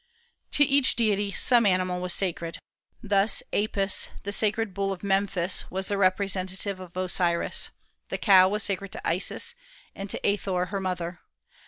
To each deity some animal was sacred. Thus Apis, the sacred bull of Memphis, was the representative of Osiris; the cow was sacred to Isis, and to Athor her mother.